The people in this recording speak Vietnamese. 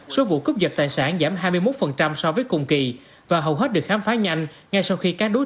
số vụ cướp giật tài sản giảm hai mươi một so với cùng kỳ và hầu hết được khám phá nhanh ngay sau khi các đối